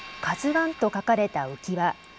ＫＡＺＵわんと書かれた浮き輪。